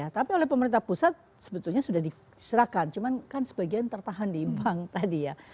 tapi oleh pemerintah pusat sebetulnya sudah diserahkan cuman kan sebagian tertahan di bank tadi ya